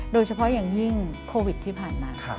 โดยเฉพาะอย่างยิ่งโควิดที่ผ่านมา